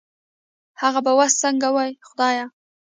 هغه به وس سنګه وي خدايه